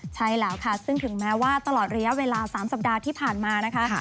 ใช่แล้วค่ะซึ่งถึงแม้ว่าตลอดระยะเวลา๓สัปดาห์ที่ผ่านมานะคะ